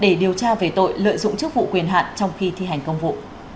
để điều tra về tội lợi dụng chức vụ quyền hạn trong khi thi hành công vụ